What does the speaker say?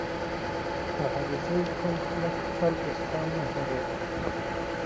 • د علیزي قوم خلک خپل دوستان نه هېروي.